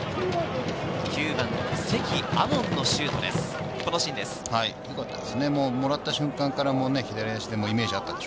９番の積歩門のシュートです。